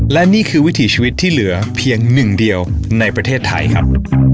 และนี่คือวิถีชีวิตที่เหลือเพียงหนึ่งเดียวในประเทศไทยครับ